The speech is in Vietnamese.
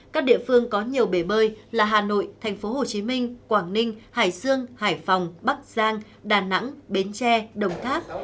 các địa phương có nhiều bể bơi là hà nội tp hcm quảng ninh hải sương hải phòng bắc giang đà nẵng bến tre đồng tháp